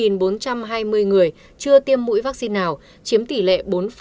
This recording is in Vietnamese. bốn trăm hai mươi người chưa tiêm mũi vaccine nào chiếm tỷ lệ bốn hai